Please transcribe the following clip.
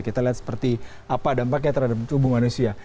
kita lihat seperti apa dampaknya terhadap tubuh manusia